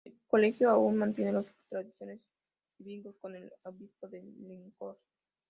El colegio aún mantiene los tradicionales vínculos con el Obispado de Lincoln.